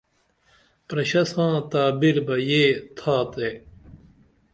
پرشہ ساں تعبیر بہ یے تھا تے